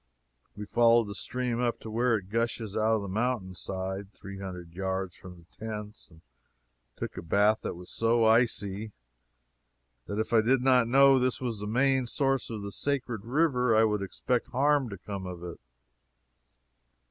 We followed the stream up to where it gushes out of the mountain side, three hundred yards from the tents, and took a bath that was so icy that if I did not know this was the main source of the sacred river, I would expect harm to come of it.